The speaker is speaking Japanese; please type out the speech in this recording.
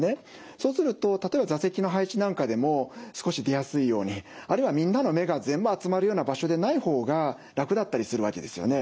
そうすると例えば座席の配置なんかでも少し出やすいようにあるいはみんなの目が全部集まるような場所でない方が楽だったりするわけですよね。